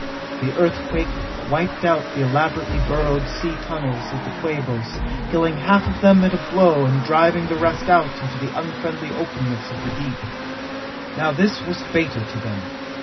The earthquake wiped out the elaborately burrowed sea tunnels of the Quabos, killing half of them at a blow and driving the rest out into the unfriendly openness of the deep. Now this was fatal to them.